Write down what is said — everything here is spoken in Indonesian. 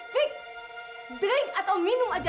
makan atau minum aja